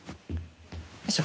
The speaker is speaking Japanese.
よいしょ。